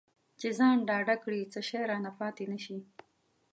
چې ځان ډاډه کړي څه شی رانه پاتې نه شي.